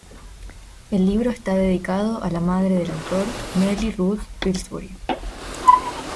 El libro está dedicado a la madre del autor Nellie Ruth Pillsbury.